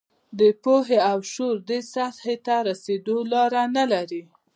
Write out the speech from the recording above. د پوهې او شعور دې سطحې ته رسېدو لاره نه لري.